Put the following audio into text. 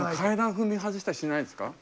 踏み外したりしないですか？